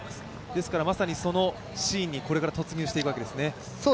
ですからまさに、そのシーンにこれから突入していくわけですね。